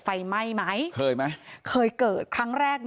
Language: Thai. ไฟไหม้ไหมเคยไหมเคยเกิดครั้งแรก